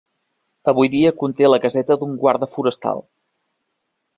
Avui dia conté la caseta d'un guarda forestal.